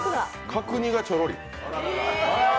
角煮がちょろり。